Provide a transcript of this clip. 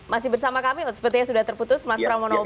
masih bersama kami sepertinya sudah terputus mas pram mau nol baik